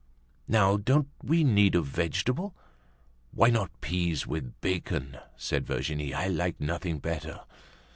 "Now, don't we need a vegetable?" "Why not peas with bacon?" said Virginie. "I like nothing better."